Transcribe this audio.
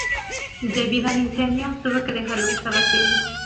Debido al incendio, tuvo que dejar lo que estaba haciendo.